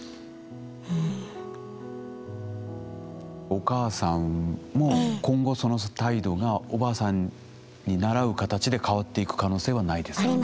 お母さんも今後その態度がおばあさんに倣う形で変わっていく可能性はないですか？